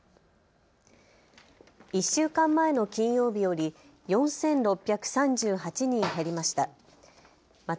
１週間前の金曜日より４６３８人減りました。